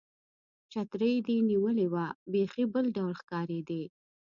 چترۍ چې دې نیولې وه، بیخي بل ډول ښکارېدې.